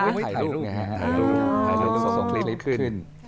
ไม่ถ่ายรูปนะครับถ่ายรูปส่งคลิปขึ้น